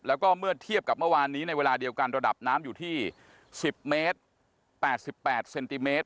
แล้วก็เมื่อเทียบกับเมื่อวานนี้ในเวลาเดียวกันระดับน้ำอยู่ที่๑๐เมตร๘๘เซนติเมตร